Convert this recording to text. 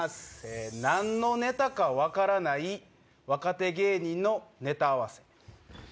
なんのネタか分からない若手芸人のネタ合わせ。